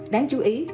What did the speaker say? đáng chú ý